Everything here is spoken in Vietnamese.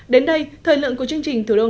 đến đây thời lượng của chương trình thủ đô